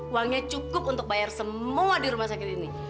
uangnya cukup untuk bayar semua di rumah sakit ini